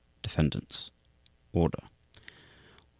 Defendants. ORDER 1.